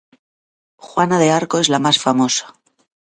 Juana de Arco es la mas famosa.